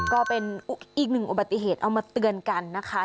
ก็เป็นอีกหนึ่งอุบัติเหตุเอามาเตือนกันนะคะ